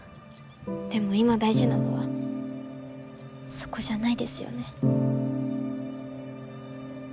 でも今、大事なのはそこじゃないですよね？